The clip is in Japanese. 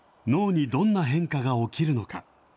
脳にどんな変化が起きるのか。